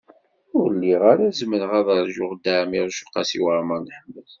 Ur lliɣ ara zemreɣ ad ṛǧuɣ Dda Ɛmiiruc u Qasi Waɛmer n Ḥmed.